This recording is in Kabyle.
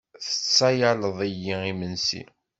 Tettsayaleḍ-iyi imensi.